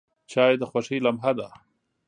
چای د خوښۍ لمحه ده.